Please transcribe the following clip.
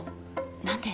何で？